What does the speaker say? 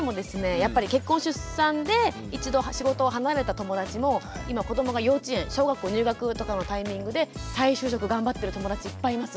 やっぱり結婚出産で一度仕事を離れた友達も今子どもが幼稚園小学校入学とかのタイミングで再就職頑張ってる友達いっぱいいます。